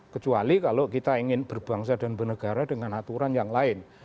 kecuali kalau kita ingin berbangsa dan bernegara dengan aturan yang lain